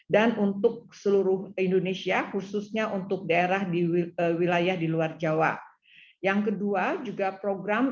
dan untuk seluruh indonesia khususnya untuk daerah di wilayah di luar jawa yang kedua juga program